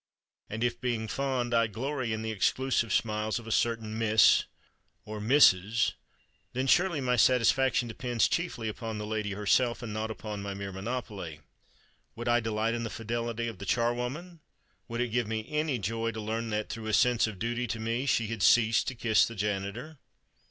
And if, being fond, I glory in the exclusive smiles of a certain Miss —— or Mrs. ——, then surely my satisfaction depends chiefly upon the lady herself, and not upon my mere monopoly. Would I delight in the fidelity of the charwoman? Would it give me any joy to learn that, through a sense of duty to me, she had ceased to kiss the janitor?